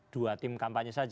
dua tim kampanye saja